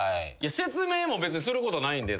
説明も別にすることないんで。